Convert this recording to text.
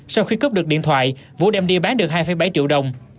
sau khi cướp được điện thoại vũ đem đi bán được hai bảy triệu đồng